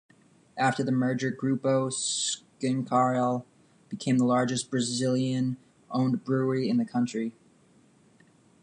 After the merger, Grupo Schincariol became the largest Brazilian-owned brewery in the country.